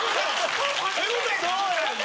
そうなんだ。